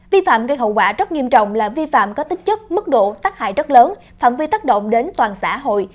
vi phạm gây hậu quả rất nghiêm trọng là vi phạm có tính chất mức độ tác hại rất lớn phạm vi tác động đến toàn xã hội